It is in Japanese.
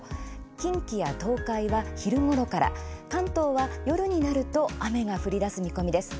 近畿や東海は、昼ごろから関東は夜になると雨が降り出す見込みです。